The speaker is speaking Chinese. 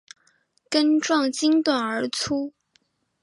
根状茎短而粗。